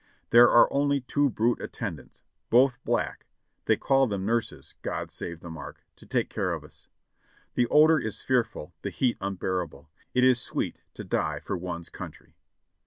There are only two brute attendants, both black (they call them nurses, God save the mark!) to take care of us. The odor is fearful, the heat unbearable. It is sweet to die for one's country."